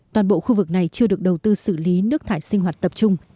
toàn bộ khu vực này chưa được đầu tư xử lý nước thải sinh hoạt tập trung